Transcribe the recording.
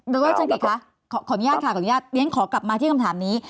นักรวจรังกิจคะขออนุญาตค่ะดังนั้นขอกลับมาที่คำถามนี้